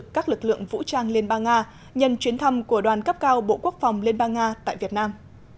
các lực lượng vũ trang liên bang nga nhân chuyến thăm của đoàn cấp cao bộ quốc phòng liên bang nga tại việt nam